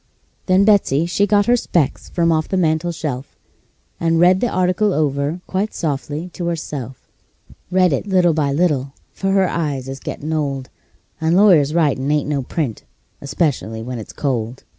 Then Betsey she got her specs from off the mantel shelf, And read the article over quite softly to herself; Read it by little and little, for her eyes is gettin' old, And lawyers' writin' ain't no print, especially when it's cold.